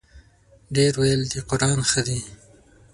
ډېر ویل د قران ښه دی.